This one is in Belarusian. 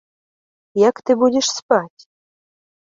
Як ты будзеш спаць?